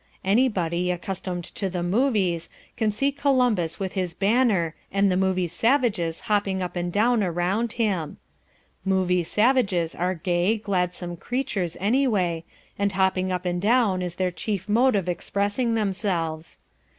Anybody, accustomed to the movies, can see Columbus with his banner and the movie savages hopping up and down around him. Movie savages are gay, gladsome creatures anyway, and hopping up and down is their chief mode of expressing themselves.